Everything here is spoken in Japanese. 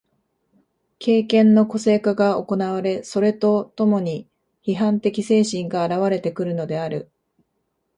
経験の個性化が行われ、それと共に批判的精神が現われてくるのである。